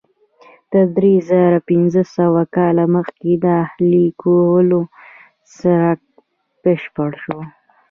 تر درې زره پنځه سوه کاله مخکې د اهلي کولو څرخ بشپړ شو.